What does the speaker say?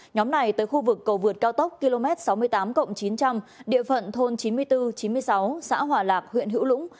nhóm này tới khu vực cầu vượt cao tốc km sáu mươi tám chín trăm linh địa phận thôn chín mươi bốn chín mươi sáu xã hòa lạc huyện hữu lũng